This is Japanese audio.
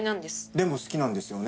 でも好きなんですよね？